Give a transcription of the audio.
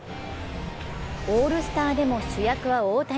オールスターでも主役は大谷。